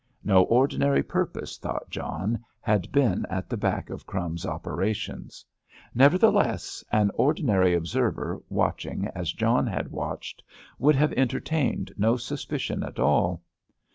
No ordinary purpose, thought John, had been at the back of "Crumbs's" operations. Nevertheless, an ordinary observer watching, as John had watched, would have entertained no suspicion at all.